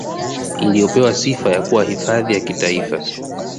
Iliyopewa sifa ya kuwa hifadhi ya Kitaifa